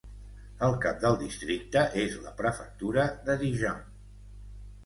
El cap del districte és la prefectura de Dijon.